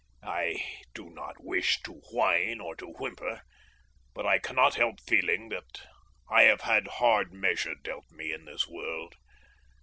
I do not wish to whine or to whimper, but I cannot help feeling that I have had hard measure dealt me in this world.